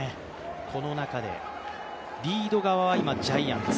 この中でリード側は今、ジャイアンツ。